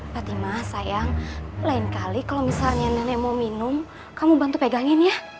fatimah sayang lain kali kalau misalnya nenek mau minum kamu bantu pegangin ya